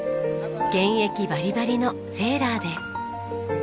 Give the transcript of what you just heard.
現役バリバリのセーラーです。